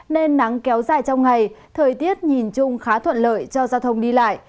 nên nắng kéo dài trong ngày thời tiết nhìn chung khá thuận lợi cho giao thông đi lại